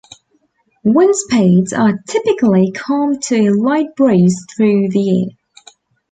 Wind speeds are typically calm to a light breeze through the year.